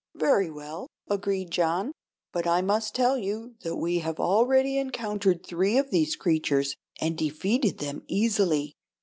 "Very well," agreed John. "But I must tell you that we have already encountered three of these creatures, and defeated them easily."